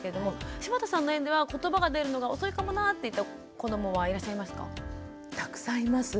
柴田さんの園ではことばが出るのが遅いかもなっていった子どもはいらっしゃいますか？